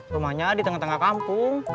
rumahnya di tengah tengah kampung